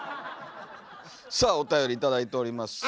さあおたより頂いております。